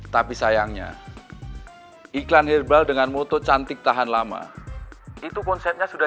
tapi sayangnya iklan herbal dengan moto cantik tahan lama itu konsepnya sudah